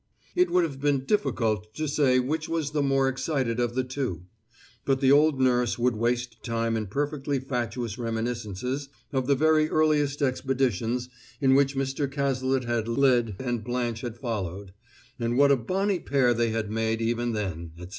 It would have been difficult to say which was the more excited of the two. But the old nurse would waste time in perfectly fatuous reminiscences of the very earliest expeditions in which Mr. Cazalet had lead and Blanche had followed, and what a bonny pair they had made even then, etc.